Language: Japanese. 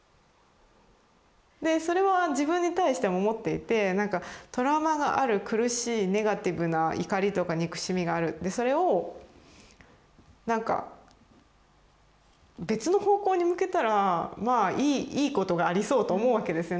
それは自分に対しても思っていてトラウマがある苦しいネガティブな怒りとか憎しみがあるそれをなんか別の方向に向けたらまあいいことがありそうと思うわけですよね。